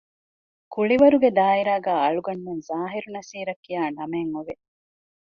ކުޅިވަރުގެ ދާއިރާގައި އަޅުގަނޑުމެން ޒާހިރު ނަޞީރަށް ކިޔާ ނަމެއް އޮވެ